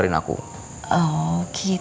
jangan jangan jangan